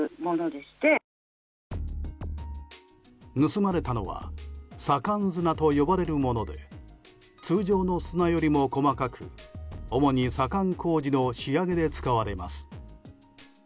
盗まれたのは左官砂と呼ばれるもので通常の砂よりも細かく主に左官工事の仕上げで使われます。